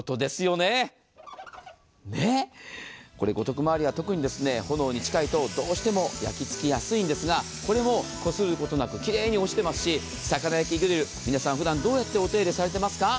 ねっ、五徳周りは炎に近いとどうしても焼きつきやすいんですがこれもこすることなくきれいに落ちていますし、魚焼きグリル、皆さんふだんどうやってお手入れされていますか？